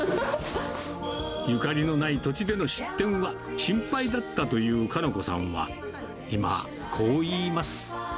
ゆかりのない土地での出店は心配だったというかの子さんは、今、こう言います。